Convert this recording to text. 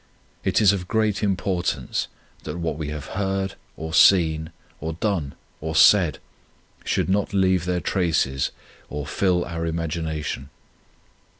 It is of great importance that what we have heard, or seen, or done, or said, should not leave their traces or fill our imagination.